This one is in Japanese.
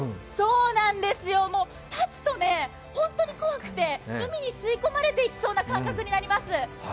立つと本当に怖くて海に吸い込まれていきそうな感覚になります。